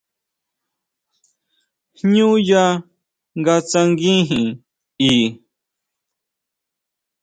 Jñú yá nga tsanguijin i.